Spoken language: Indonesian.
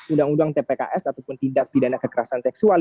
undang undang tpks ataupun tindak pidana kekerasan seksual